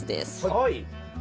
はい。